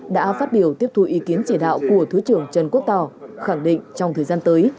đã phát biểu tiếp thu ý kiến chỉ đạo của thứ trưởng trần quốc tỏ khẳng định trong thời gian tới